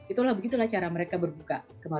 itulah begitulah cara mereka berbuka